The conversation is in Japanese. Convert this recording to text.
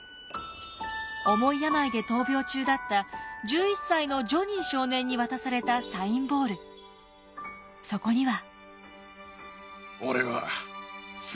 重い病で闘病中だった１１歳のジョニー少年に渡されたそこには。